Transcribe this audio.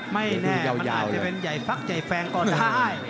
ไม่แน่มันอาจจะเป็นใหญ่ฟักใหญ่แฟงก็ได้